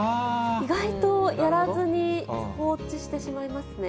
意外とやらずに放置してしまいますね。